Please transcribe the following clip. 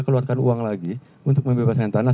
keluarkan uang lagi untuk membebaskan tanah